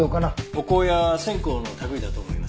お香や線香の類いだと思います。